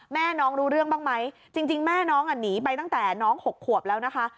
แม่น้องรู้เรื่องบ้างไหมจริงแม่น้องหนีไปตั้งแต่น้อง๖ขวบแล้วนะคะ